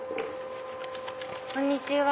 こんにちは。